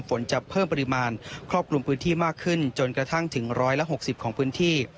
ฝนจะเพิ่มปริมาณครอบคลุมพื้นที่มากขึ้นจนกระทั่งถึง๑๖๐ของพื้นที่